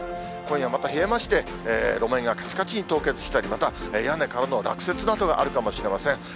今夜また冷えまして、路面がかちかちに凍結したり、また屋根からの落雪などがあるかもしれません。